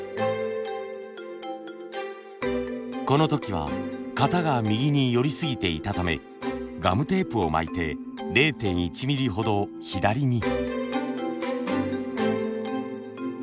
この時は型が右に寄りすぎていたためガムテープを巻いて０．１ミリほど左に。